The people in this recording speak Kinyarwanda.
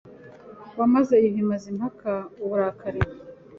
wamaze Yuhi Mazimpaka uburakari